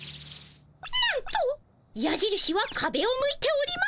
なんとやじるしはかべを向いております。